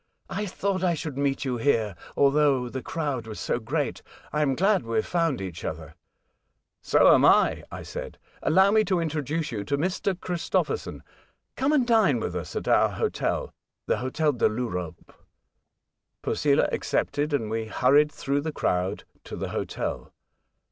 " I thought I should meet you here, although the crowd was so great. I am glad we have found each other." " So am I," I said. " Allow me to introduce you to Mr. Christopherson. Come and dine with us at our hotel — the Hotel de T Europe." Posela accepted, and we hurried through the crowd to the hotel.